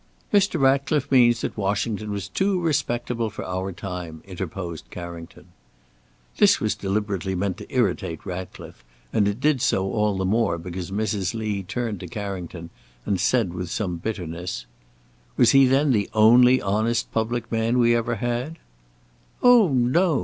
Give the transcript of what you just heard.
"Mr. Ratcliffe means that Washington was too respectable for our time," interposed Carrington. This was deliberately meant to irritate Ratcliffe, and it did so all the more because Mrs. Lee turned to Carrington, and said, with some bitterness: "Was he then the only honest public man we ever had?" "Oh no!"